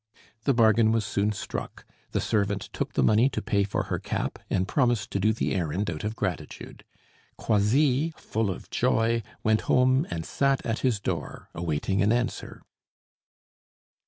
The bargain was soon struck; the servant took the money to pay for her cap and promised to do the errand out of gratitude. Croisilles, full of joy, went home and sat at his door awaiting an answer.